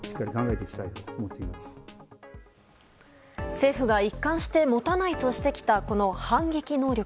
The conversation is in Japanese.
政府が、一貫して持たないとしてきた反撃能力。